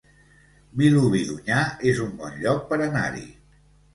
Vilobí d'Onyar es un bon lloc per anar-hi